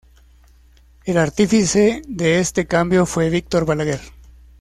El artífice de este cambio fue Víctor Balaguer.